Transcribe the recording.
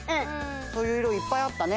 そういういろいっぱいあったね。